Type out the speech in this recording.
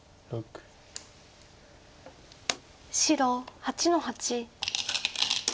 白８の八。